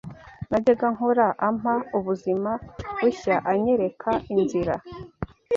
najyaga nkora ampa ubuzima bushya anyereka inzira